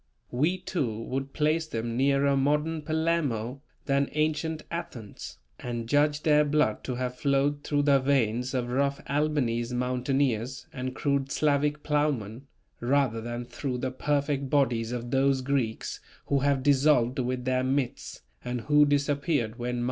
We too, would place them nearer modern Palermo than ancient Athens, and judge their blood to have flowed through the veins of rough Albanese mountaineers and crude Slavic plowmen, rather than through the perfect bodies of those Greeks who have dissolved with their myths, and who disappeared when Mt.